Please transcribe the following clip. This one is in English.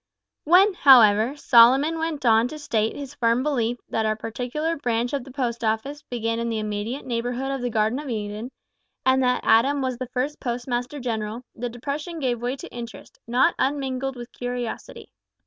When, however, Solomon went on to state his firm belief that a particular branch of the Post Office began in the immediate neighbourhood of the Garden of Eden, and that Adam was the first Postmaster General, the depression gave way to interest, not unmingled with curiosity.